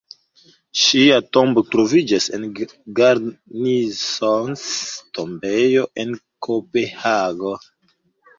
Ŝia tombo troviĝas en Garnisons-Tombejo, en Kopenhago.